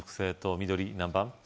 緑何番？